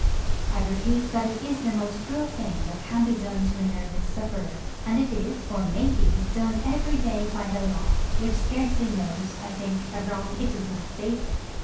I repeat that it is the most cruel thing that can be done to a nervous sufferer: and it is, or may be, done every day by the Law, which scarcely knows, I think, a wrong it does not favour.